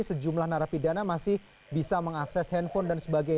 sejumlah narapidana masih bisa mengakses handphone dan sebagainya